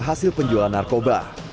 hasil penjualan narkoba